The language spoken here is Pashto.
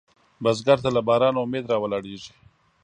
بزګر ته له بارانه امید راولاړېږي